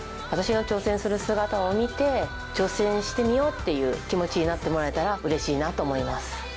私が挑戦する姿を見て挑戦してみようっていう気持ちになってもらえたらうれしいなと思います。